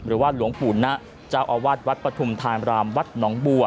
หรือว่าหลวงปู่นะเจ้าอาวาสวัดปฐุมธามรามวัดหนองบัว